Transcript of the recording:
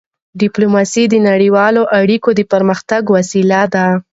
ډیپلوماسي د نړیوالو اړیکو د پرمختګ وسیله ده.